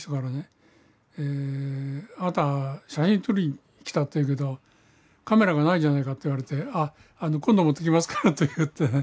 「あなたは写真を撮りに来たというけどカメラがないじゃないか」と言われて「今度持ってきますから」と言ってね。